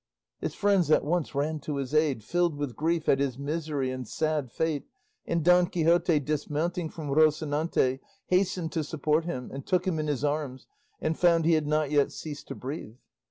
His friends at once ran to his aid, filled with grief at his misery and sad fate, and Don Quixote, dismounting from Rocinante, hastened to support him, and took him in his arms, and found he had not yet ceased to breathe.